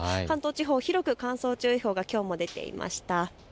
関東地方、広く乾燥注意報がきょうも出ていました。